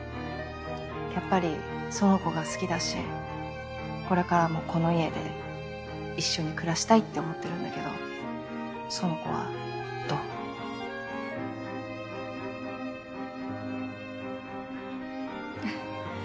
やっぱり苑子が好きだしこれからもこの家で一緒に暮らしたいって思ってるんだけど苑子はどう？